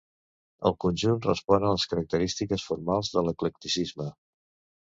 El conjunt respon a les característiques formals de l'eclecticisme.